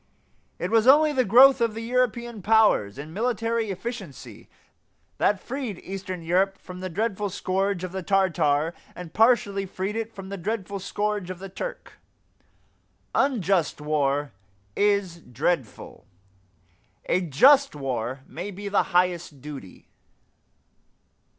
It was only the growth of the European powers in military efficiency that freed eastern Europe from the dreadful scourge of the Tartar and partially freed it from the dreadful scourge of the Turk. Unjust war is dreadful; a just war may be the highest duty.